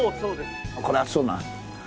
これ熱そうな。